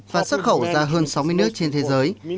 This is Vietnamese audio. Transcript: và xuất khẩu ra hơn sáu mươi nước trên thế giới